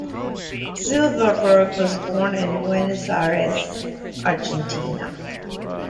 Zylberberg was born in Buenos Aires, Argentina.